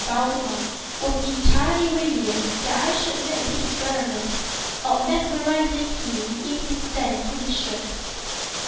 Valdemar) was entirely willing that I should make the experiment of mesmerizing him in his then condition.